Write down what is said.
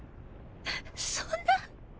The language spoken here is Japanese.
そんな。